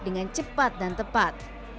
dengan cepat dan tepat